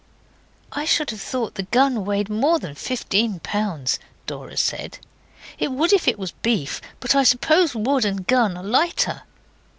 'I should have thought the gun weighed more than fifteen pounds,' Dora said. 'It would if it was beef, but I suppose wood and gun are lighter.